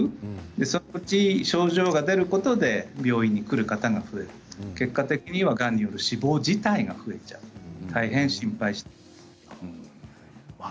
そのうち症状が出ることで病院に来る方が増える結果的には、がんによる死亡自体が増えちゃう大変、心配しています。